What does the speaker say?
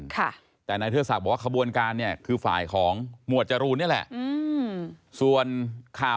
จะได้ส่วนแบ่งอะไรรึเปล่า